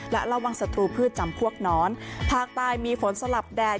และระวังศัตรูพืชจำพวกน้อนภาคใต้มีฝนสลับแดด